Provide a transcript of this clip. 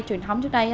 truyền thống trước đây